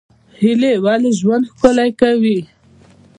هیلې ولې ژوند ښکلی کوي؟